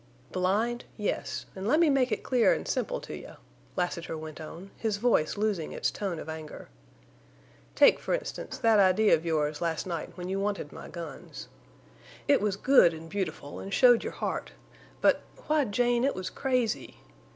"Blind—yes, en' let me make it clear en' simple to you," Lassiter went on, his voice losing its tone of anger. "Take, for instance, that idea of yours last night when you wanted my guns. It was good an' beautiful, an' showed your heart—but—why, Jane, it was crazy.